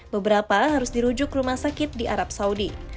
beberapa harus dirujuk rumah sakit di arab saudi